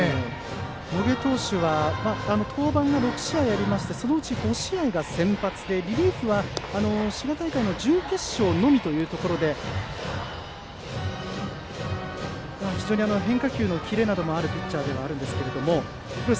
野下投手は登板が６試合ありましてそのうち５試合が先発でリリーフは滋賀大会の準決勝のみで非常に変化球のキレなどもあるピッチャーですが。